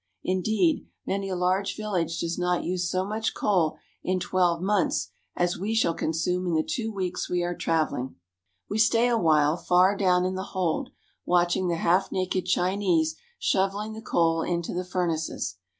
Indeed, many a large village does not use so much coal in twelve months as we shall consume in the two weeks we are trav eling. We stay awhile, far down in the hold, watching the half naked Chinese shoveL'ng the coal into the furnaces.